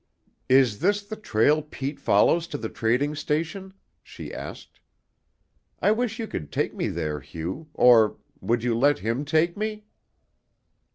"Is this the trail Pete follows to the trading station?" she asked. "I wish you could take me there, Hugh, or would you let him take me?"